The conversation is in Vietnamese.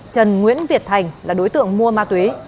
trần nguyễn việt thành là đối tượng mua ma túy